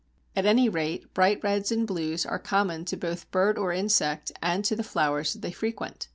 At any rate bright reds and blues are common to both bird or insect and to the flowers that they frequent.